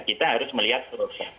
kita harus melihat proses